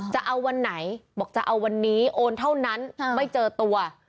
จะเอาวันไหนบอกจะเอาวันนี้โอนเท่านั้นไม่เจอตัว